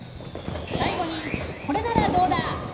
最後にこれならどうだ？